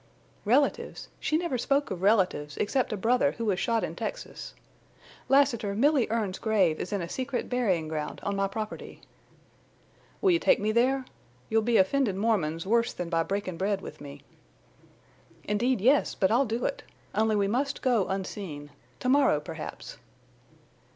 "Relatives? She never spoke of relatives, except a brother who was shot in Texas. Lassiter, Milly Erne's grave is in a secret burying ground on my property." "Will you take me there?... You'll be offendin' Mormons worse than by breakin' bread with me." "Indeed yes, but I'll do it. Only we must go unseen. To morrow, perhaps."